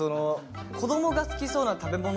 子供が好きそうなもの